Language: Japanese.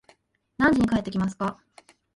何時に帰ってきますか